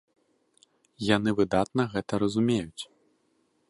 Яны выдатна гэта разумеюць.